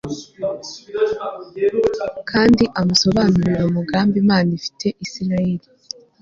kandi amusobanurire umugambi Imana ifitiye Isirayeli